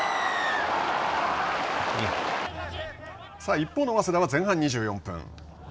一方の早稲田は前半２４分。